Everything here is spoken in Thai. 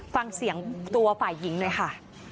ฟังเสียงตัวฝ่ายยิงด้วยค่ะ